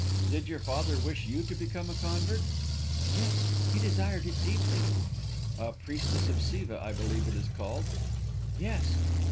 "Did your father wish you to become a convert?" "Yes, he desired it deeply." "A priestess of Siva, I believe it is called?" "Yes."